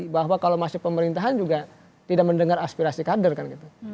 bahwa kalau masih pemerintahan juga tidak mendengar aspirasi kader kan gitu